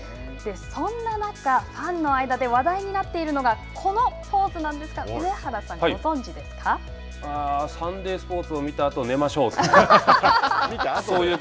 そんな中ファンの間で話題になっているのがこのポーズなんですがああ、サンデースポーツを見たあと寝ましょうという。